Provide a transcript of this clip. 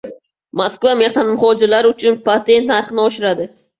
Moskva mehnat muhojirlari uchun patent narxini oshiradi